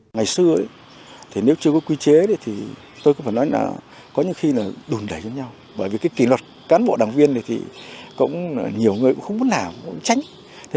ngày xưa nếu chưa có quy chế thì tôi có phải nói là có những khi là đùn đẩy với nhau bởi vì kỳ luật cán bộ đảng viên thì cũng nhiều người cũng không muốn làm